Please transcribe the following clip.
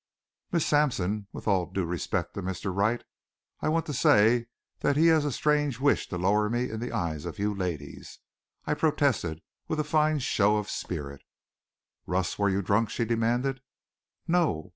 "Miss Sampson, with all due respect to Mr. Wright, I want to say that he has a strange wish to lower me in the eyes of you ladies," I protested with a fine show of spirit. "Russ, were you drunk?" she demanded. "No.